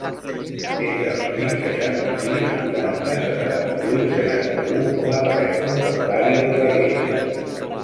Desa el sis, seixanta-sis, quaranta, setanta-vuit, seixanta-u com a telèfon del Dario Gragera.